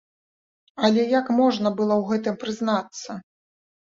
Але як можна было ў гэтым прызнацца?